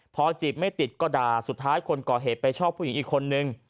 พอจีบไม่ติดก็ด่าสุดท้ายคนก่อเหตุไปชอบผู้หญิงอีกคนนึง